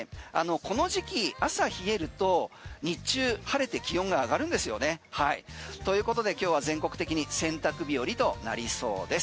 この時期、朝冷えると日中晴れて気温が上がるんですよね。ということで今日は全国的に洗濯日和となりそうです。